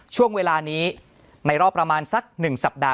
ช่วงเวลานี้ในรอบประมาณสัก๑สัปดาห์